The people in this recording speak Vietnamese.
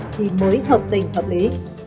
thì mới hợp tình hợp lý